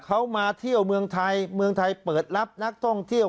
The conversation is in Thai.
เขามาเที่ยวเมืองไทยเมืองไทยเปิดรับนักท่องเที่ยว